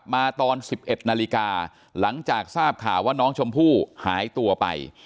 มาตอน๑๑นาฬิกาหลังจากทราบข่าวว่าน้องชมพู่หายตัวไป